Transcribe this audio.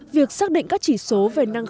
việc xác định các chỉ số về năng khí